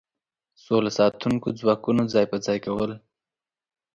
سوله ساتونکو ځواکونو ځای په ځای کول.